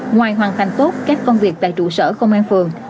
ngoài hoàn thành tốt các công việc tại trụ sở công an phường